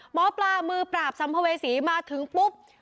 หมอปลามือปราบสัมภเวษีมาถึงปุ๊บ